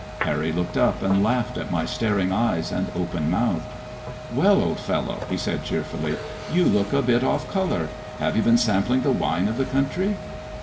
Harry looked up, and laughed at my staring eyes and open mouth. " Well, old fellow,'' he said cheerfully, '* you look a bit off colour. Have you been sampling the wine of the country